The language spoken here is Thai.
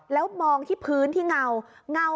แล้วมองที่พื้นที่เงาเงา